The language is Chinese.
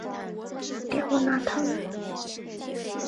盖沃纳滕。